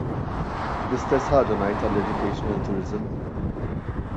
L-istess ħaġa ngħid għall-educational tourism.